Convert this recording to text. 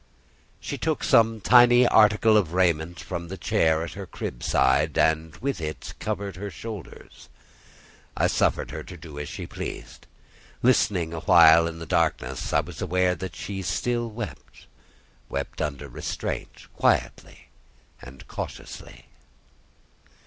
She took some tiny article of raiment from the chair at her crib side, and with it covered her shoulders. I suffered her to do as she pleased. Listening awhile in the darkness, I was aware that she still wept,—wept under restraint, quietly and cautiously.